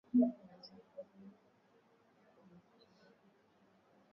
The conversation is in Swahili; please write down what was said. Kula ngazi ya mingi inasaidia ku takasa macho